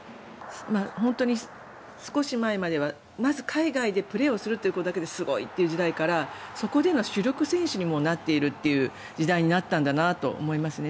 本当に少し前まではまず海外でプレーをするということだけですごいっていう時代からそこでの主力選手になっているという時代になったんだなと思いますね。